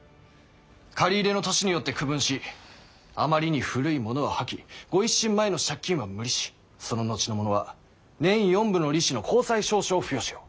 借り入れの年によって区分しあまりに古いものは破棄御一新前の借金は無利子その後のものは年４分の利子の公債証書を付与しよう。